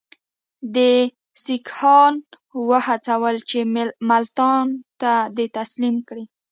ده سیکهان وهڅول چې ملتان ده ته تسلیم کړي.